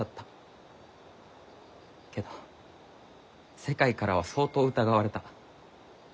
けど世界からは相当疑われた。